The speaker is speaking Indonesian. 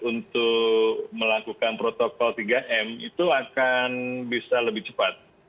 untuk melakukan protokol tiga m itu akan bisa lebih cepat